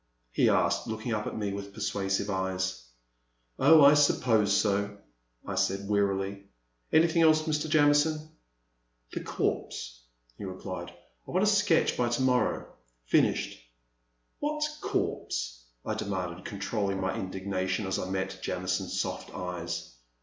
he asked, looking up at me with persuasive eyes. Oh, I suppose so, I said, wearily; "any thing else, Mr. Jamison ?The corpse,'* he replied, I want a sketch by to morrow — finished. ' What corpse ?*' I demanded, controlling my indignation as I met Jamison's soft eyes.